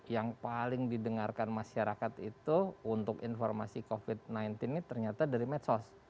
yang paling didengarkan masyarakat itu untuk informasi covid sembilan belas ini ternyata dari medsos